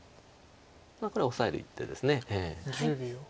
これはオサえる一手です。